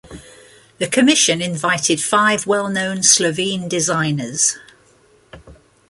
The commission invited five well-known Slovene designers.